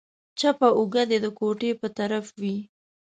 چپه اوږه دې د کوټې په طرف وي.